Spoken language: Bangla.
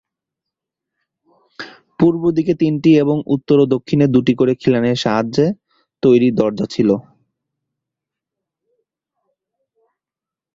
পূর্বদিকে তিনটি এবং উত্তর ও দক্ষিণে দুটি করে খিলানের সাহায্যে তৈরি দরজা ছিলো।